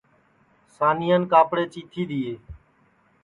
سانیان کاپڑے چیتھی دؔیئے